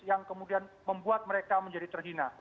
yang kemudian membuat mereka menjadi terhina